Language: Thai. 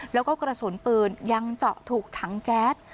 แล้วก็กระสุนปืนยังเจาะถูกถังแก๊ส